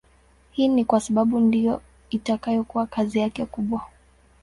Hii ni kwa sababu ndiyo itakayokuwa kazi yake kubwa